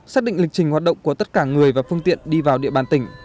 xác định lịch trình hoạt động của tất cả người và phương tiện đi vào địa bàn tỉnh